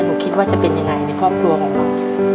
หนูคิดว่าจะเป็นยังไงในครอบครัวของเรา